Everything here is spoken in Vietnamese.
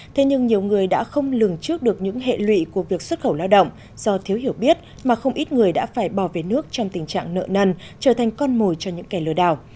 thế nhưng nhiều người đã không lường trước được những hệ lụy của việc xuất khẩu lao động do thiếu hiểu biết mà không ít người đã phải bỏ về nước trong tình trạng nợ nần trở thành con mồi cho những kẻ lừa đảo